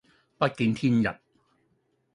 不見天日